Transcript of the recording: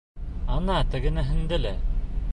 Ана, тегенеһендә лә!